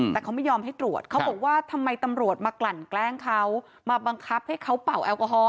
แต่เขาไม่ยอมให้ตรวจเขาบอกว่าทำไมตำรวจมากลั่นแกล้งเขามาบังคับให้เขาเป่าแอลกอฮอล